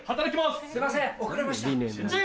すいません。